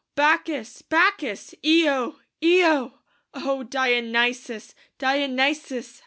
Bacchus! Bacchus! Io! Io! O Dionysos! Dionysos!